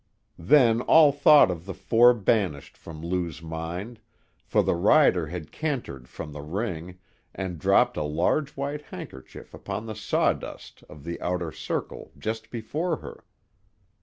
Then all thought of the four was banished from Lou's mind, for the rider had cantered from the ring and dropped a large white handkerchief upon the sawdust of the outer circle just before her.